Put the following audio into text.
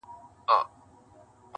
• اور چي مي پر سیوري بلوي رقیب -